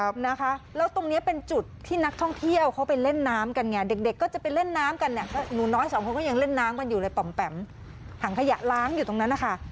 มันอยู่ในปำแปำหังขยะล้างอยู่ตรงนั้นนะคะ